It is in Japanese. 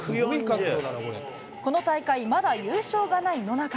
この大会、まだ優勝がない野中。